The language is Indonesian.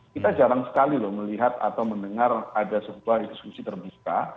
kita jarang sekali loh melihat atau mendengar ada sebuah diskusi terbuka